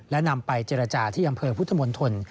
และนำไปเจรจาที่อำเภอพุทธมนตร